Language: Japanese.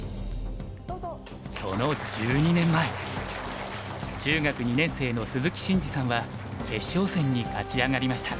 その１２年前中学２年生の鈴木伸二さんは決勝戦に勝ち上がりました。